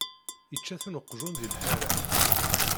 Ičča-ten uqjun di lḥara.